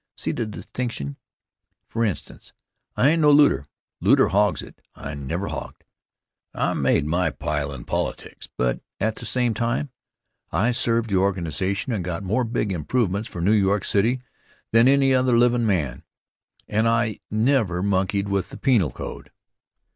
See the distinction? For instance, I ain't no looter. The looter hogs it. I never hogged. I made my pile in politics, but, at the same time, 1 served the organization and got more big improvements for New York City than any other livin' man. And I never monkeyed with the penal code.